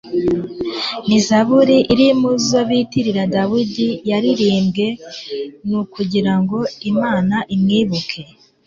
ni zaburi iri mu zo bitirira dawudi. yaririmbwe n'ugira ngo imana imwibuke